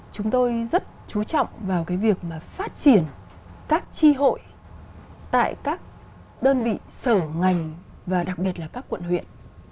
chúng tôi rất chú trọng vào cái việc mà phát triển các tri hội tại các đơn vị sở ngành và đặc biệt là các quận huyện